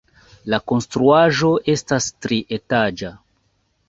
La konstruaĵo estas trietaĝa.